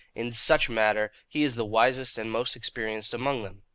In such matter, he is the wisest and most experienced among them.